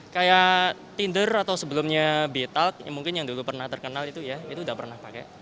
kayak tinder atau sebelumnya betalk mungkin yang dulu pernah terkenal itu ya itu udah pernah pakai